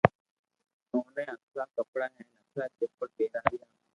اوني ھکرا ڪپڙا ھين ھکرا چپل پيراويا